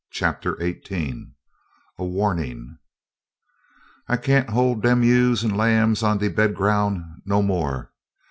'" CHAPTER XVIII A WARNING "I can't hold dem ewes and lambs on de bed ground no more!